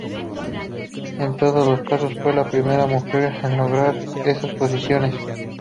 En todos los casos fue la primera mujer en lograr estas posiciones.